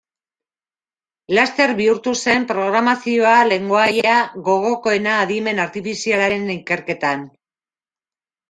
Laster bihurtu zen programazioa lengoaia gogokoena adimen artifizialaren ikerketan.